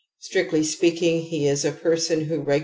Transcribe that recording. Strictly speaking, he is a person who regulates W.